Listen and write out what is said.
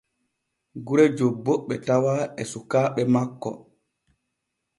Gure jobbo ɓe tawa e sukaaɓe makko.